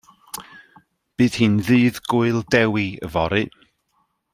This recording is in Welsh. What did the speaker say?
Bydd hi'n Ddydd Gŵyl Dewi fory.